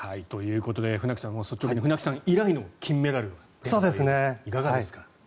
ということで船木さん、率直に船木さん以来の金メダルということでいかがですか？